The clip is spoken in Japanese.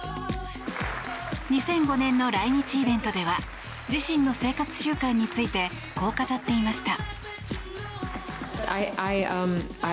２００５年の来日イベントでは自身の生活習慣についてこう語っていました。